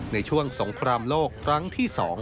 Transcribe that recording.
ในช่วงสงครามโลกครั้งที่๒